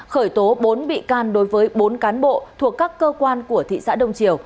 khởi tố bốn bị can đối với bốn cán bộ thuộc các cơ quan của thị xã đông triều